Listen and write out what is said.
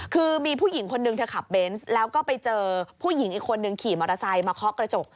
คือมีผู้หญิงคนนึงเธอขับเบนส์แล้วก็ไปเจอผู้หญิงอีกคนนึงขี่มอเตอร์ไซค์มาเคาะกระจก